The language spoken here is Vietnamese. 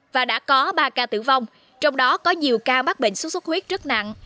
và đã có ba ca tử vong trong đó có nhiều ca mắc bệnh xuất xuất huyết rất nặng